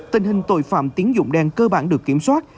tình hình tội phạm tín dụng đen cơ bản được kiểm soát